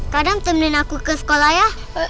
kadang temenin aku ke sekolah ya